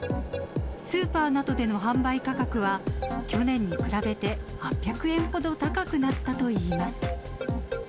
スーパーなどでの販売価格は、去年に比べて８００円ほど高くなったといいます。